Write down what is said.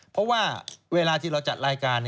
เพราะว่าเวลาที่เราจัดรายการ